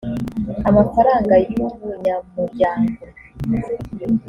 amafaranga y’ubunyamuryango